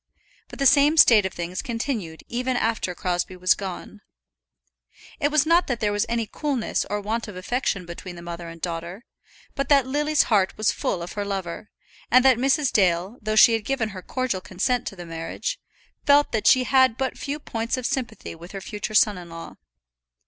But the same state of things continued even after Crosbie was gone. It was not that there was any coolness or want of affection between the mother and daughter, but that Lily's heart was full of her lover, and that Mrs. Dale, though she had given her cordial consent to the marriage, felt that she had but few points of sympathy with her future son in law.